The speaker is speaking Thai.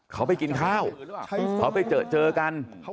เขาไปกินข้าวเขาไปเจอเจอกัน